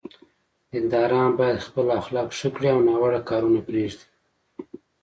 دینداران باید خپل اخلاق ښه کړي او ناوړه کارونه پرېږدي.